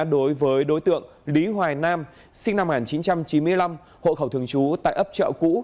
đối với đối tượng lý hoài nam sinh năm một nghìn chín trăm chín mươi năm hộ khẩu thường trú tại ấp chợ cũ